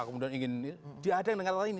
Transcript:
kemudian ingin diadeng dengan ini